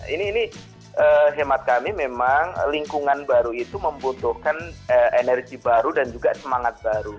ini hemat kami memang lingkungan baru itu membutuhkan energi baru dan juga semangat baru